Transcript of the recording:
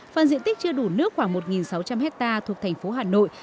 phần diện tích chưa đủ nước khoảng một sáu trăm linh hectare thuộc thành phố hà nội